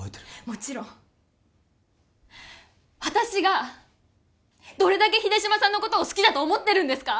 もちろん私がどれだけ秀島さんのことを好きだと思ってるんですか！